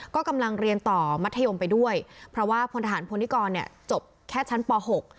ก็กำลังเรียนต่อมัธยมไปด้วยเพราะว่าพลทหารพลนิกรเนี่ยจบแค่ชั้นป๖